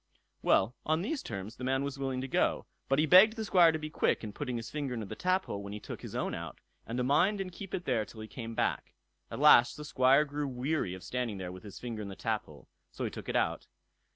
Well, on these terms the man was willing to go; but he begged the Squire to be quick in putting his finger into the taphole when he took his own out, and to mind and keep it there till he came back. At last the Squire grew weary of standing there with his finger in the taphole, so he took it out.